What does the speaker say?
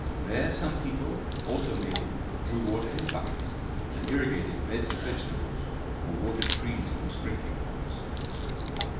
There some people, also naked, drew water in buckets, and irrigated beds of vegetables, or watered trees from sprinkling pots.